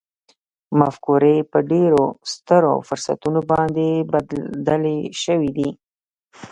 مفکورې په ډېرو سترو فرصتونو باندې بدلې شوې دي